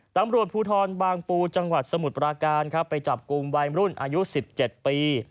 ตำรวจภูทรบางปูจังหวัดสมุทรปราการครับไปจับกลุ่มวัยรุ่นอายุ๑๗ปี